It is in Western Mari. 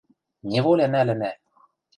Неволя нӓлӹнӓ!..